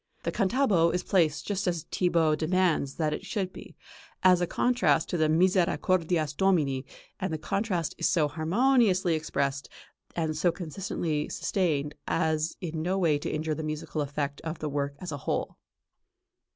The "cantabo" is placed just as Thibaut demands that it should be, as a contrast to the "Misercordias Domini and the contrast is so harmoniously expressed and so consistently sustained as in no way to injure the musical effect of the work as a whole.